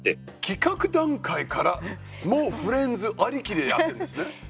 企画段階からもうフレンズありきでやってるんですね。